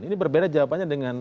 ini berbeda jawabannya dengan